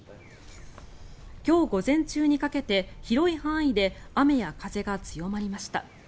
今日午前中にかけて広い範囲で雨や風が強まりました。